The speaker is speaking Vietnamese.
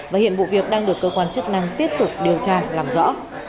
và hiện vụ việc đang được cơ quan chức năng tiếp tục điều tra làm rõ